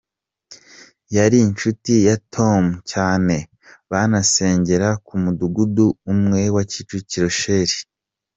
Yari inshuti ya Tom cyane banasengera ku mudugudu umwe wa Kicukiro Shell.